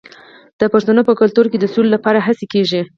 د پښتنو په کلتور کې د سولې لپاره هڅې کیږي.